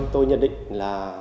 tôi nhận định là